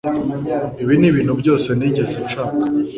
ibi nibintu byose nigeze nshaka